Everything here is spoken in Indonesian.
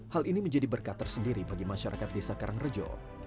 hal ini menjadi berkat tersendiri bagi masyarakat desa karangrejo